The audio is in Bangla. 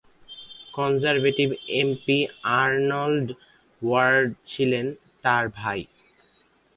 কনজারভেটিভ এমপি আর্নল্ড ওয়ার্ড ছিলেন তার ভাই।